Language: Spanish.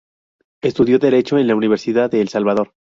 Estudió Derecho en la Universidad de El Salvador.